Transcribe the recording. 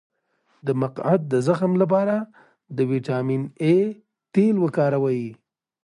د مقعد د زخم لپاره د ویټامین اي تېل وکاروئ